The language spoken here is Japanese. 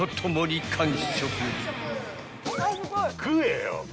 食えよ！